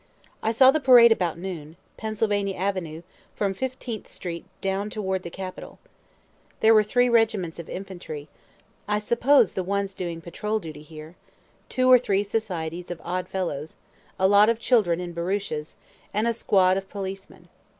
I saw the parade about noon, Pennsylvania avenue, from Fifteenth street down toward the capitol. There were three regiments of infantry, (I suppose the ones doing patrol duty here,) two or three societies of Odd Fellows, a lot of children in barouches, and a squad of policemen.